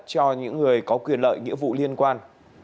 cho những người có quyền lợi nghĩa vụ liên quan